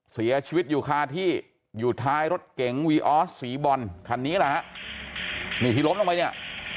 เสียชีวิตอยู่คาที่อยู่ท้ายรถเก๋งวีออสสีบอลคันนี้แหละฮะนี่ที่ล้มลงไปเนี่ย